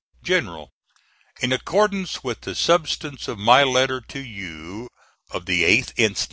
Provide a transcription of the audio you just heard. GEN: In accordance with the substance of my letter to you of the 8th inst.